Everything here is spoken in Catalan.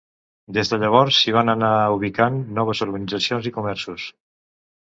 Des de llavors, s'hi van anar ubicant noves urbanitzacions i comerços.